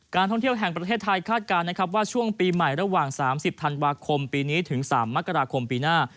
ท่องเที่ยวแห่งประเทศไทยคาดการณ์นะครับว่าช่วงปีใหม่ระหว่าง๓๐ธันวาคมปีนี้ถึง๓มกราคมปีหน้า